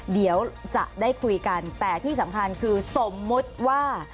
เดี๋ยวจะได้คุยกันแต่ที่สำคัญคือสมมุติว่า